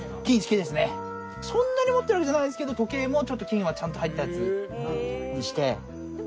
そんなに持ってるわけじゃないですけど時計も金が入ったやつにして。